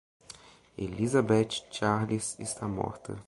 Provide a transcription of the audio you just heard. Elizabeth Charles está morta.